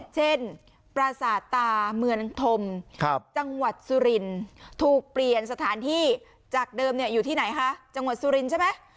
ปราสาทตาเมืองธมจังหวัดสุรินถูกเปลี่ยนสถานที่จากเดิมอยู่ที่ไหนคะจังหวัดสุรินทร์ใช่ไหม